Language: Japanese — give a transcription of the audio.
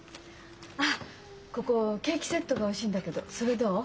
あっここケーキセットがおいしいんだけどそれどう？